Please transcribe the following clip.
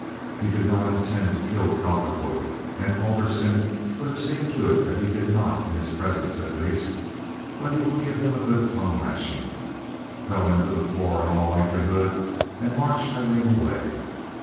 He did not intend to kill Cowperwood—and Alderson would have seen to it that he did not in his presence at least, but he would give him a good tongue lashing, fell him to the floor, in all likelihood, and march Aileen away.